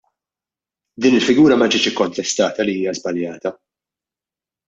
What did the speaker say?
Din il-figura ma ġietx ikkontestata li hija żbaljata.